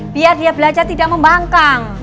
biar dia belajar tidak membangkang